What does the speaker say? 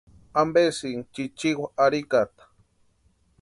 ¿Ampesïini chichiwa arhikata?